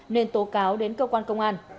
nên tố cáo đến cơ quan công an